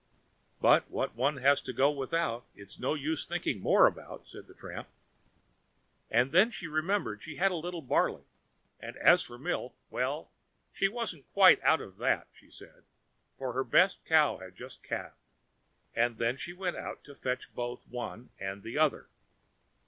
"But what one has to go without, it's no use thinking more about," said the tramp. And then she remembered she had a little barley; and as for milk, well, she wasn't quite out of that, she said, for her best cow had just calved. And then she went to fetch both the one and the other.